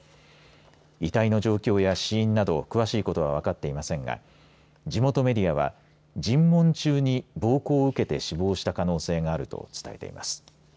遺体の状況や死因など詳しいことは分かっていませんが地元メディアは尋問中に暴行を受けて死亡した可能性があると伝えています。